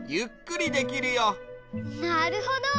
なるほど！